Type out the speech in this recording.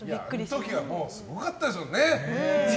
あの時はすごかったですよね。